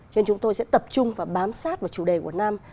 cho nên chúng tôi sẽ tập trung và bám sát vào chủ đề của nam